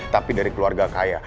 tapi dari keluarga kaya